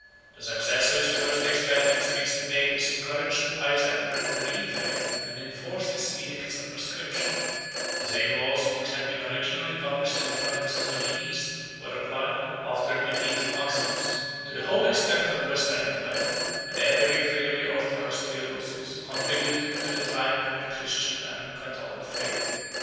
The success of his first experiments against the Pagans encouraged the pious emperor to reiterate and enforce his edicts of proscription: the same laws which had been originally published in the provinces of the East, were applied, after the defeat of Maximus, to the whole extent of the Western empire; and every victory of the orthodox Theodosius contributed to the triumph of the Christian and Catholic faith.